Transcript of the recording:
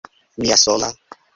Mia sola!